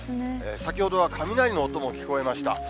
先ほどは雷の音も聞こえました。